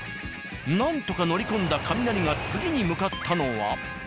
何とか乗り込んだカミナリが次に向かったのは。